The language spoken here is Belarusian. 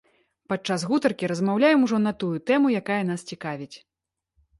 Падчас гутаркі размаўляем ужо на тую тэму, якая нас цікавіць.